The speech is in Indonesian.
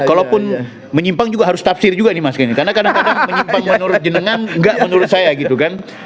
kalaupun menyimpang juga harus tafsir juga nih mas gini karena kadang kadang menyimpang menurut jenengan nggak menurut saya gitu kan